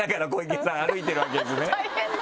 大変だ。